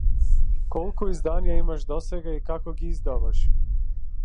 Колку изданија имаш досега и како ги издаваш?